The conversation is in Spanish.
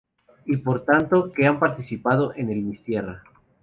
Y por tanto, que han participado en el Miss Tierra.